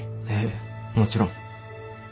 ええもちろん。